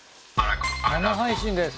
生配信です。